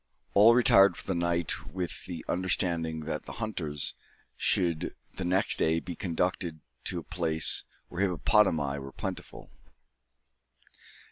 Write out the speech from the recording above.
All retired for the night with the understanding that the hunters should the next day be conducted to a place where hippopotami were plentiful.